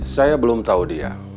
saya belum tahu dia